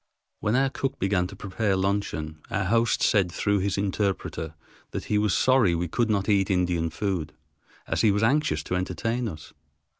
When our cook began to prepare luncheon our host said through his interpreter that he was sorry we could not eat Indian food, as he was anxious to entertain us.